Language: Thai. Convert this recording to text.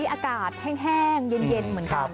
อากาศแห้งเย็นเหมือนกัน